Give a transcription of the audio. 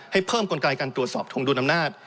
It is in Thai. ให้เพิ่มกลไกการตรวจสอบทงดุลอำนาจ